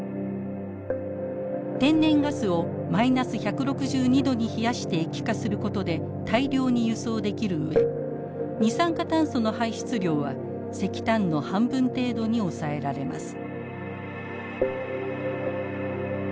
天然ガスをマイナス１６２度に冷やして液化することで大量に輸送できる上二酸化炭素の排出量は石炭の半分程度に抑えられます。